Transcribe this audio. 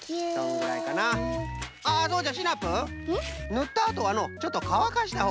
ぬったあとはのうちょっとかわかしたほうがよいぞい。